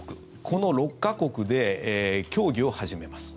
この６か国で協議を始めます。